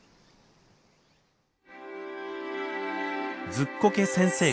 ズッコケ先生こと